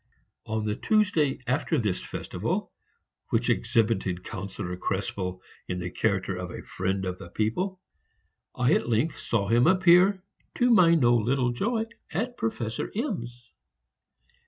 On the Tuesday after this festival, which exhibited Councillor Krespel in the character of a friend of the people, I at length saw him appear, to my no little joy, at Professor M 's.